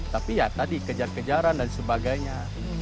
tapi ya tadi kejar kejaran dan sebagainya